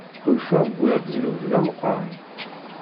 Ḥulfaɣ wwiɣ ddnub d ameqqran.